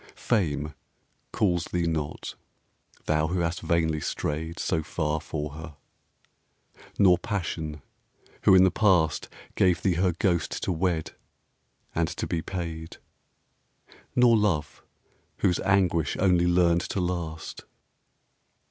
Fame calls thee not, thou who hast vainly strayed So far for her; nor Passion, who in the past Gave thee her ghost to wed and to be paid; Nor Love, whose anguish only learned to last.